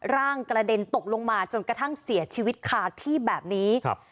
ร่างกระเด็นตกลงมาจนกระทั่งเสียชีวิตคาที่แบบนี้ครับ